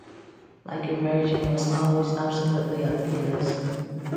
"Like a Virgin" was always absolutely ambiguous.